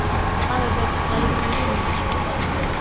قام باعتقال المجرمين.